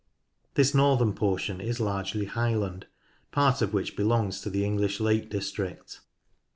This northern portion is largely highland, part of which belongs to the English Lake District.